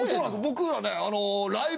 僕らね。